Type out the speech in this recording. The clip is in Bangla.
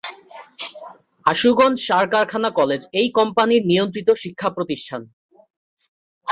আশুগঞ্জ সার কারখানা কলেজ এই কোম্পানির নিয়ন্ত্রিত শিক্ষা প্রতিষ্ঠান।